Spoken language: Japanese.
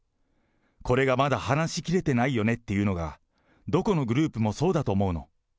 これがまだ話しきれてないよねっていうのが、どこのグループもそうだと思うの。